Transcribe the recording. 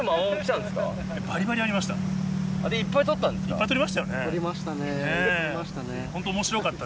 いっぱい取りましたよね。